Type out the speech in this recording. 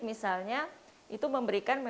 misalnya itu memberikan